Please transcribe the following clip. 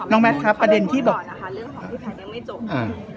แมทครับประเด็นที่บอกนะคะเรื่องของพี่แพทย์ยังไม่จบ